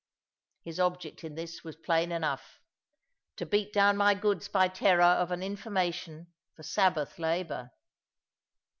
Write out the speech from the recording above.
His object in this was plain enough to beat down my goods by terror of an information for Sabbath labour.